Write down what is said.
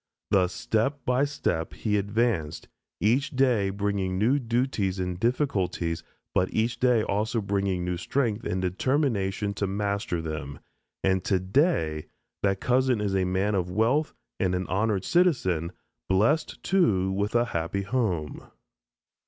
Thus step by step, he advanced, each day bringing new duties and difficulties but each day also bringing new strength and determination to master them, and today that cousin is a man of wealth and an honored citizen, blessed, too, with a happy home.